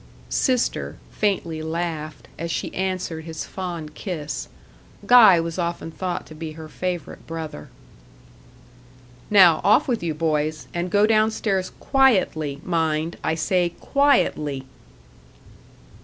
'" "Sister" faintly laughed, as she answered his fond kiss Guy was often thought to be her favourite brother. "Now, off with you, boys; and go down stairs quietly mind, I say quietly."